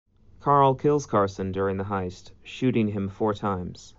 Karl kills Carson during the heist, shooting him four times.